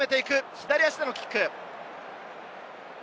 左足でのキック。